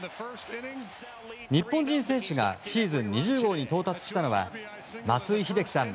日本人選手がシーズン２０号に到達したのは松井秀喜さん